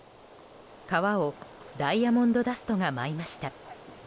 川をダイヤモンドダストが舞いました。